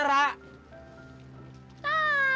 ra kita mau kemana ra